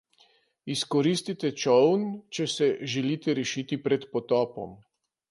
Izkoristite čoln, če se želite rešiti pred potopom.